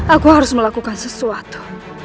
aku harus melakukan sesuatu